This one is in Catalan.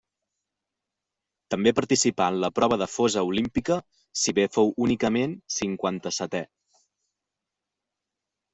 També participà en la prova de fossa olímpica, si bé fou únicament cinquanta-setè.